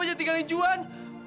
jangan tinggalkan juhan